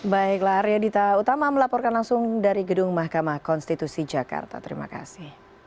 baiklah arya dita utama melaporkan langsung dari gedung mahkamah konstitusi jakarta terima kasih